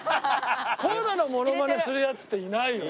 コアラのモノマネするヤツっていないよね。